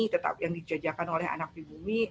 tetap yang dijajahkan oleh anak di bumi